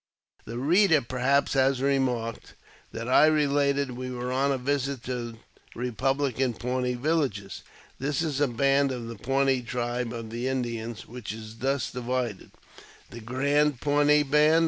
The reader, perhaps, has remarked, that I related we were on a visit to Eepublican Pawnee villages. This is a band of the Pawnee tribe of Indians, which is thus divided : The Grand Pawnee Band.